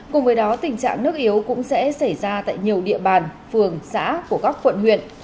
cùng với đó tình trạng nước yếu cũng sẽ xảy ra tại nhiều địa bàn phường xã của các quận huyện